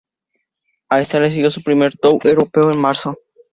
A este le siguió su primer tour europeo en marzo.